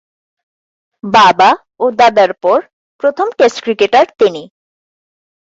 বাবা ও দাদার পর প্রথম টেস্ট ক্রিকেটার তিনি।